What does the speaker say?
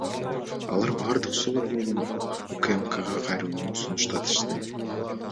Алар баардык суроолор менен УКМКга кайрылууну сунушташты.